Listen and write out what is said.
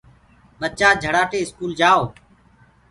ڀچآ جھڙآٽي اسڪول ڪآؤ۔